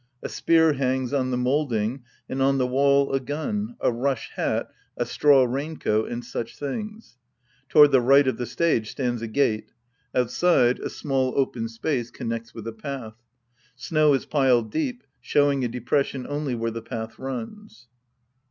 A spear hangs on the moulding and on the wall a gun, a rush hat, a straw raincoat, and such things. Toward tiic right of the stage stands a gate. Outside, a small open space connects with a path. Snow is piled deep, show ing a depression only where the path runs.)